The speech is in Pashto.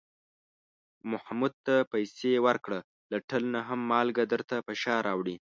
محمود ته پسې ورکړه، له ټل نه هم مالگه درته په شا راوړي.